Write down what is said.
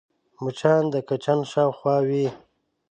مچان د کچن شاوخوا وي